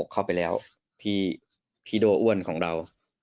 เข้าไปแล้วพี่โด้อ้วนของเรา